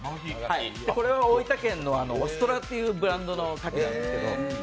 これは大分県のオストラというブランドのかきなんですけど。